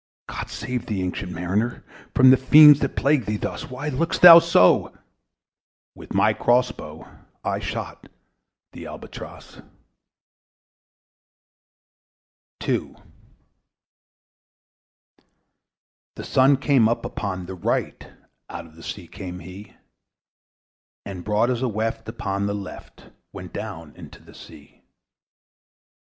"God save thee, ancient Mariner! From the fiends, that plague thee thus! Why look'st thou so?" With my cross bow I shot the ALBATROSS. PART THE SECOND. The Sun now rose upon the right: Out of the sea came he, Still hid in mist, and on the left Went down into the sea.